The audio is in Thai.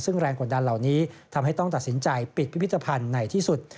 ซึ่งแรงกดดันเหล่านี้ทำให้ต้องตัดสินใจปิดพิพิธภัณฑ์ในที่สุด